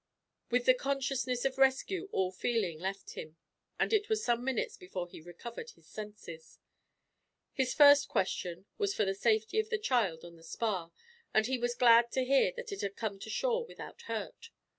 With the consciousness of rescue all feeling left him, and it was some minutes before he recovered his senses. His first question was for the safety of the child on the spar, and he was glad to hear that it had come to shore without hurt.